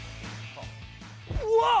うわっ！